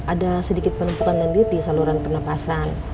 ada sedikit penumpukan dendrit di saluran penapasan